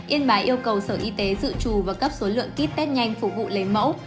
yên bái yêu cầu sở y tế dự trù và cấp số lượng kit test nhanh phục vụ lấy mẫu